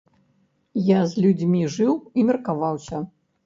Я з людзьмі жыў і меркаваўся.